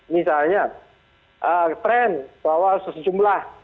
misalnya trend bahwa sejumlah